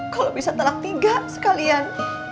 kalau bisa telak tiga sekalian